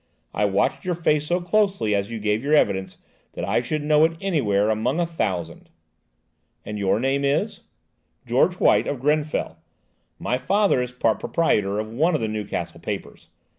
I watched your face so closely as you gave your evidence that I should know it anywhere, among a thousand." "And your name is—?" "George White, of Grenfell. My father is part proprietor of one of the Newcastle papers.